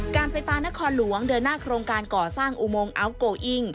การไฟฟ้านครหลวงเดินหน้าโครงการก่อสร้างอุโมงอัลโกอิ้ง